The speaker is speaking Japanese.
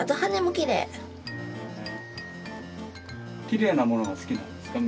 きれいなものが好きなんですか？